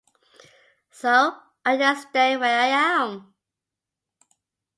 So I just stay where I am.